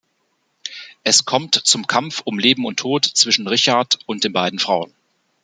Es kommt zum Kampf um Leben und Tod zwischen Richard und den beiden Frauen.